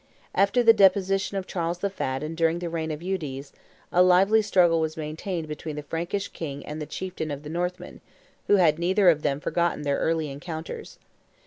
After the deposition of Charles the Fat and during the reign of Eudes, a lively struggle was maintained between the Frankish king and the chieftain of the Northmen, who had neither of them forgotten their early encounters.